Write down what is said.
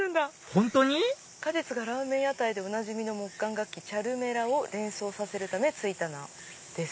本当に⁉「果実がラーメン屋台でおなじみの木管楽器チャルメラを連想させるためについた名です」。